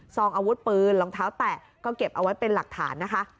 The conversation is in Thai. ซองอาวุธปืนรองเท้าแตะก็เก็บเอาไว้เป็นหลักฐานนะคะ